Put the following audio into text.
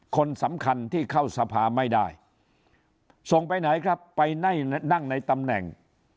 คนสำคัญที่เข้าสภาไม่ได้ส่งไปไหนครับไปนั่งในตำแหน่ง